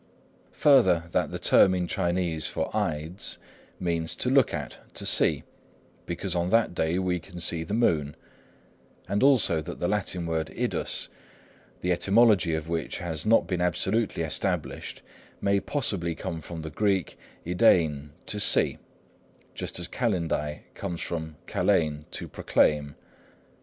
Further, that the term in Chinese for ides means to look at, to see, because on that day we can see the moon; and also that the Latin word idus, the etymology of which has not been absolutely established, may possibly come from the Greek ἰδεῖν "to see," just as kalendae comes from καλεῖν "to proclaim."